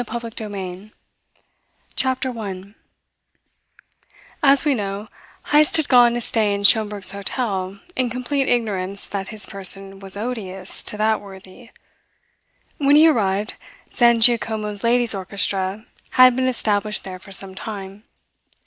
PART TWO CHAPTER ONE As we know, Heyst had gone to stay in Schomberg's hotel in complete ignorance that his person was odious to that worthy. When he arrived, Zangiacomo's Ladies' Orchestra had been established there for some time.